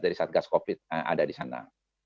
dari saat gas covid ada di sana